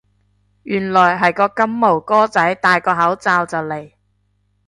原來係個金毛哥仔戴個口罩就嚟